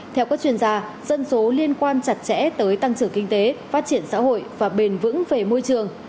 theo các chuyên gia dân số liên quan chặt chẽ tới tăng trưởng kinh tế phát triển xã hội và bền vững về môi trường